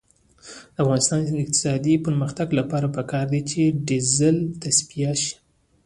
د افغانستان د اقتصادي پرمختګ لپاره پکار ده چې ډیزل تصفیه شي.